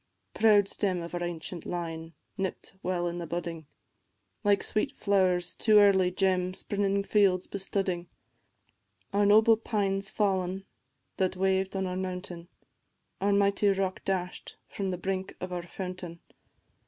Proud stem of our ancient line, nipt while in budding, Like sweet flowers' too early gem spring fields bestudding, Our noble pine 's fall'n, that waved on our mountain, Our mighty rock dash'd from the brink of our fountain.